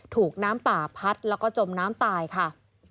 ถูกน้ำป่าพัดแล้วก็จมน้ำตายค่ะ